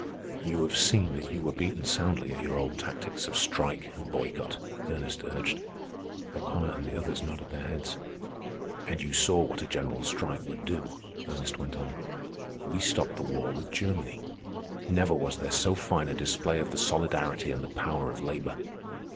"You have seen that you were beaten soundly at your old tactics of strike and boycott," Ernest urged. O'Connor and the others nodded their heads. "And you saw what a general strike would do," Ernest went on. "We stopped the war with Germany. Never was there so fine a display of the solidarity and the power of labor.